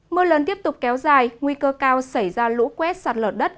mưa lớn tiếp tục kéo dài nguy cơ cao xảy ra lũ quét sạt lở đất